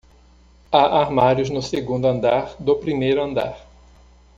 Há armários no segundo andar do primeiro andar.